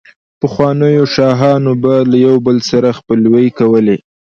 پخوانو شاهانو به له يو بل سره خپلوۍ کولې،